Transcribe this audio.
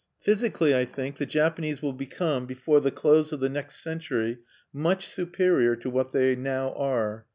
Physically, I think, the Japanese will become before the close of the next century much superior to what they now are.